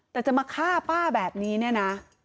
แต่จะมาฆ่าป้าแบบนี้เนี่ยนะ